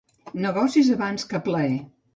Negocis abans que plaer.